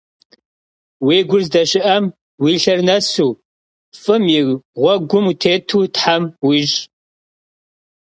Vui gur zdeşı'em vui lher nesu, f'ım yi ğuegum vutêtu Them vuiş'!